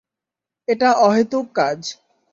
এটা অহেতুক কাজ।